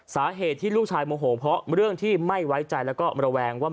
สาเหตุที่ลูกชายโมโหเพราะเรื่องที่ไม่ไว้ใจแล้วก็ระแวงว่า